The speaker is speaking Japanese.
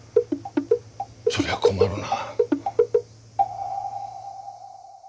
そりゃ困るな。